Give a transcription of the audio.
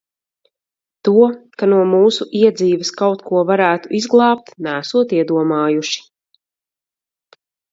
To, ka no mūsu iedzīves kaut ko varētu izglābt, neesot iedomājuši.